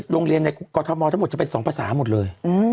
โรงเรียนในกรทมทั้งหมดจะเป็น๒ภาษาหมดเลย